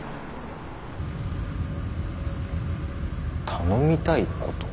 頼みたいこと？